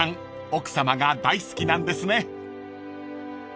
奥さまが大好きなんですね］